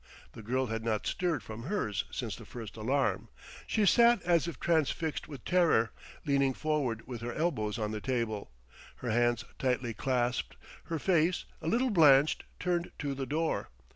The girl had not stirred from hers since the first alarm; she sat as if transfixed with terror, leaning forward with her elbows on the table, her hands tightly clasped, her face, a little blanched, turned to the door.